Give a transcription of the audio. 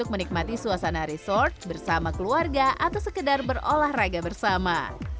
menikmati suasana resort bersama keluarga atau sekedar berolahraga bersama